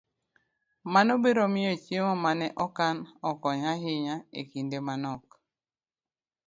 Mano biro miyo chiemo ma ne okan okony ahinya e kinde ma nok